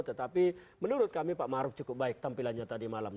tetapi menurut kami pak maruf cukup baik tampilannya tadi malam